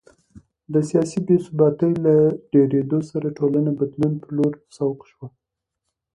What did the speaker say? د سیاسي بې ثباتۍ له ډېرېدو سره ټولنه بدلون په لور سوق شوه